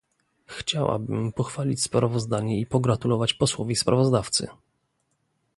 Chciałabym pochwalić sprawozdanie i pogratulować posłowi sprawozdawcy